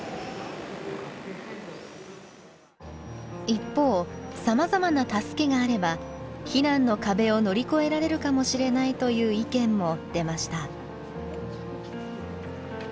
一方さまざまな助けがあれば避難の壁を乗り越えられるかもしれないという意見も出ました。